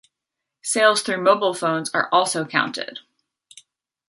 Sales through mobile phones are also counted.